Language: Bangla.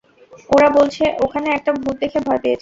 ওরা বলছে ওখানে একটা ভূত দেখে ভয় পেয়েছে।